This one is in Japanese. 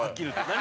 何？